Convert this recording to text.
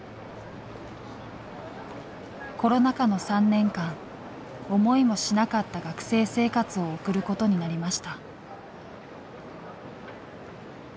コロナ禍の３年間思いもしなかった学生生活を送ることになりました。